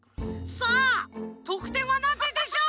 さあとくてんはなんてんでしょう？